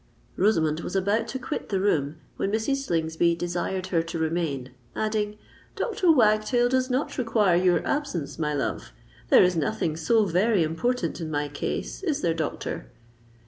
Rosamond was about to quit the room, when Mrs. Slingsby desired her to remain, adding, "Dr. Wagtail does not require your absence, my love: there is nothing so very important in my case—is there, doctor?"